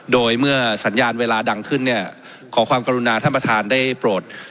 โดยเมื่อสัญญาณเวลาดังขึ้นเนี่ยขอความกรุณาท่านประธานได้โปรด